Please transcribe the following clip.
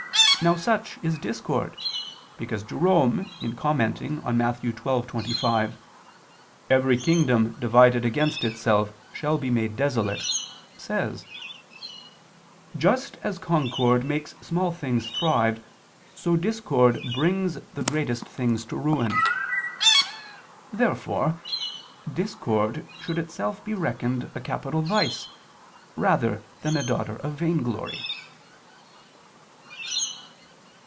Now such is discord, because Jerome in commenting on Matt. 12:25, "Every kingdom divided against itself shall be made desolate," says: "Just as concord makes small things thrive, so discord brings the greatest things to ruin." Therefore discord should itself be reckoned a capital vice, rather than a daughter of vainglory.